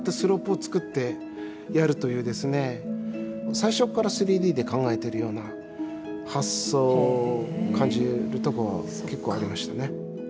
最初から３Ｄで考えてるような発想を感じるとこ結構ありましたね。